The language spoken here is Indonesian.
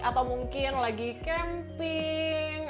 atau mungkin lagi camping